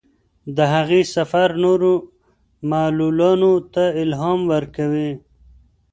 د هغې سفر نورو معلولانو ته الهام ورکوي.